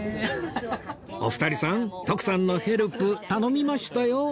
お二人さん徳さんのヘルプ頼みましたよ